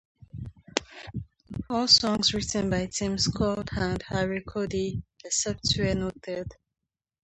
All songs written by Tim Skold and Harry Cody, except where noted.